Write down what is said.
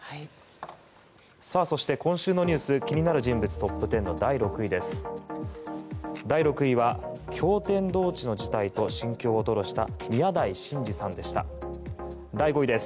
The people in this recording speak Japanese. そして、今週のニュース気になる人物トップ１０の第６位です。